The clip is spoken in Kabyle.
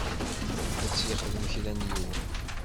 Ad t-yexdem kra n yiwen.